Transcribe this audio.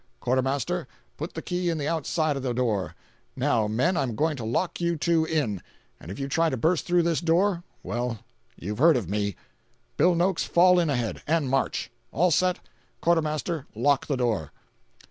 Quartermaster, put the key in the outside of the door. Now, men, I'm going to lock you two in; and if you try to burst through this door—well, you've heard of me. Bill Noakes, fall in ahead, and march. All set. Quartermaster, lock the door."